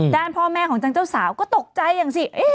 ด้านพ่อแม่ของจังเจ้าสาวก็ตกใจอย่างสิ